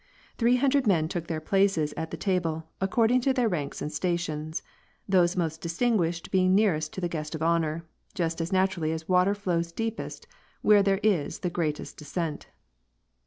Three hundred men took their places at the table, ac cording to their ranks and stations ; those most distinguished being nearest to the guest of honor, just as natui*ally as water flows deepest where there is the greatest descent.